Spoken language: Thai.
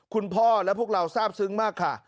คุณพ่อและพวกเราทราบซึ้งมากค่ะ